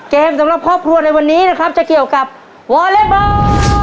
สำหรับครอบครัวในวันนี้นะครับจะเกี่ยวกับวอเล็กบอล